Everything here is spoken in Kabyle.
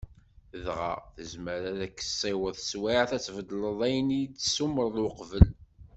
Dɣa, tezmer ad ak-tessiweḍ teswiɛt ad tbeddleḍ ayen i d-tsumreḍ uqbel.